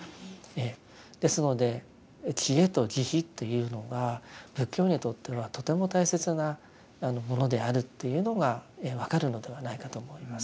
ですので智慧と慈悲というのが仏教にとってはとても大切なものであるというのが分かるのではないかと思います。